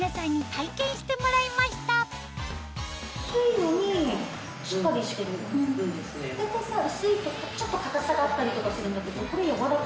大体さ薄いとちょっと硬さがあったりとかするんだけどこれ。